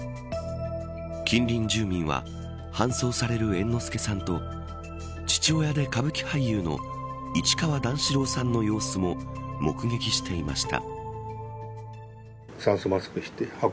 近隣住民は搬送される猿之助さんと父親で歌舞伎俳優の市川段四郎さんの様子も目撃していました。